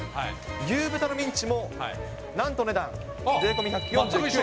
牛豚のミンチもなんとお値段、税込み１３８円。